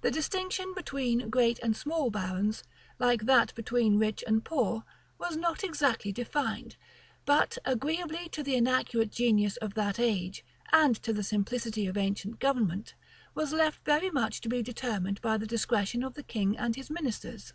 The distinction between great and small barons, like that between rich and poor, was not exactly defined; but, agreeably to the inaccurate genius of that age, and to the simplicity of ancient government, was left very much to be determined by the discretion of the king and his ministers.